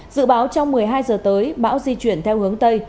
dự báo trong một mươi hai giờ tới bão di chuyển theo hướng tây